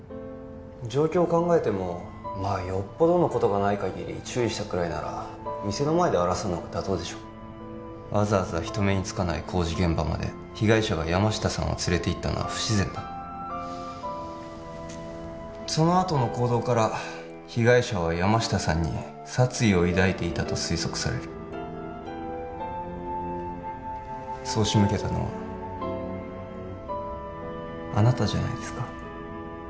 状況を考えてもよっぽどのことがないかぎり注意したくらいなら店の前で争うのが妥当でしょわざわざ人目につかない工事現場まで被害者が山下さんを連れていったのは不自然だそのあとの行動から被害者は山下さんに殺意を抱いていたと推測されるそう仕向けたのはあなたじゃないですか？